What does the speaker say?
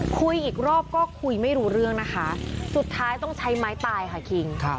คุยอีกรอบก็คุยไม่รู้เรื่องนะคะสุดท้ายต้องใช้ไม้ตายค่ะคิง